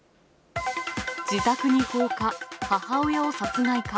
自宅に放火、母親を殺害か。